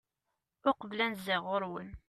uqbel ad n-zziɣ ɣur-wen